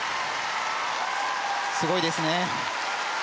すごいですね。